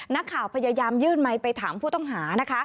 นักข่าวพยายามยื่นไมค์ไปถามผู้ต้องหานะคะ